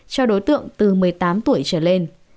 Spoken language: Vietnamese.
cho đối tượng từ một mươi tám tuổi trở lên